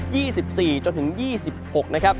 ๒๔เดือนจนถึง๒๖เดือน